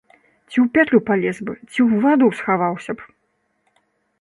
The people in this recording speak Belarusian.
Ці ў пятлю палез бы, ці ў ваду схаваўся б!